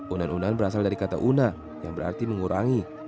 unan unan berasal dari kata una yang berarti mengurangi